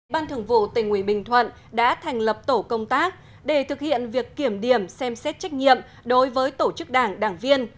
ban thường vụ tỉnh ủy bình thuận đã thành lập tổ công tác để thực hiện việc kiểm điểm xem xét trách nhiệm đối với tổ chức đảng đảng viên